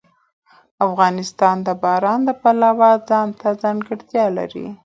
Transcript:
افغانستان د باران د پلوه ځانته ځانګړتیا لري.